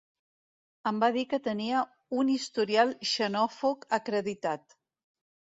En va dir que tenia ‘un historial xenòfob acreditat’.